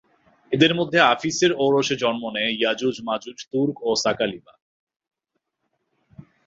এদের মধ্যে আফিছ-এর ঔরসে জন্ম নেয় য়াজুজ-মাজুজ, তুর্ক ও সাকালিবা।